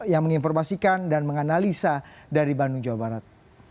yang menginformasikan dan menganalisa dari bandung jawa barat